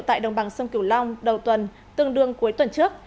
tại đồng bằng sông kiều long đầu tuần tương đương cuối tuần trước